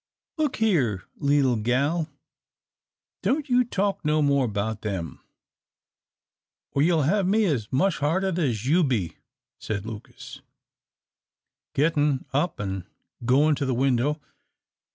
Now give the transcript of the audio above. "Look here, leetle gal, don't you talk no more 'bout them, or you'll hev me as mush hearted as you be," said Lucas, getting up and going to the window.